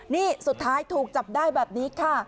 นี่สุดท้ายถูกจับได้แบบนี้ค่ะ